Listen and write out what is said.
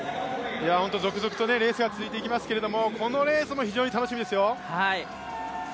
続々とレースが続いていきますけどこのレースも非常に楽しみですよ。